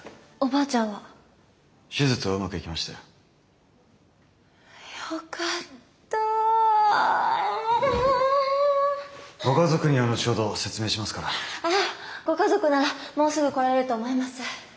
あっご家族ならもうすぐ来られると思います。